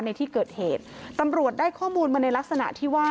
ในที่เกิดเหตุตำรวจได้ข้อมูลมาในลักษณะที่ว่า